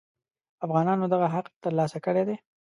افغانانو دغه حق تر لاسه کړی دی.